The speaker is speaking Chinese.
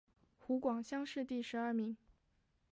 湖广乡试第十二名。